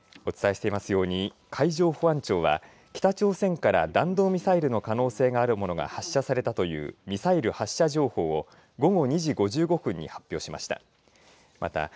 お伝えしていますように海上保安庁は北朝鮮から弾道ミサイルの可能性があるものが発射されたというミサイル発射情報を午後２時５５分に発表しました。